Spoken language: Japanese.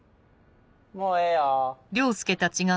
もうええよ。